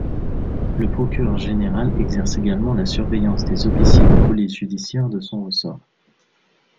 Le procureur-général exerce également la surveillance des officiers de police judiciaire de son ressort.